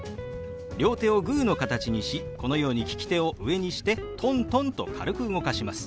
両手をグーの形にしこのように利き手を上にしてトントンと軽く動かします。